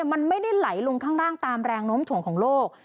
มันไม่ได้ไหลลงข้างล่างตามแรงโน้มถ่วงของโลก